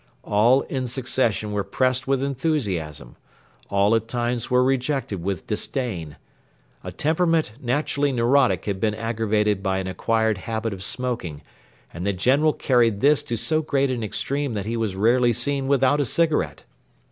All in succession were pressed with enthusiasm. All at times were rejected with disdain. A temperament naturally neurotic had been aggravated by an acquired habit of smoking; and the General carried this to so great an extreme that he was rarely seen without a cigarette.